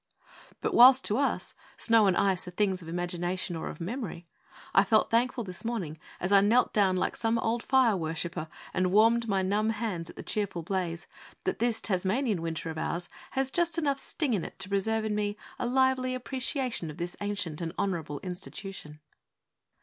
But whilst, to us, snow and ice are things of imagination or of memory, I felt thankful this morning, as I knelt down like some old fire worshipper and warmed my numb hands at the cheerful blaze, that this Tasmanian winter of ours has just enough sting in it to preserve in me a lively appreciation of this ancient and honourable institution.